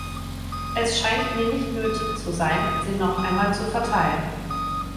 Es scheint mir nicht nötig zu sein, sie noch einmal zu verteilen.